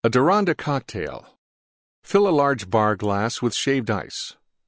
DERONDA COCKTAIL Fill large Bar glass with Shaved Ice.